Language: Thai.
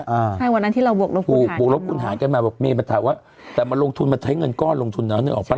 ใช่วันนั้นที่เราบวกรบผู้หาดกันมาบวกรบผู้หาดกันมาบอกมีปัญหาว่าแต่มันลงทุนมันใช้เงินก้อนลงทุนนะนึกออกป่ะล่ะ